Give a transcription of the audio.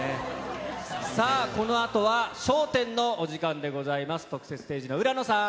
さあ、このあとは笑点のお時間でございます。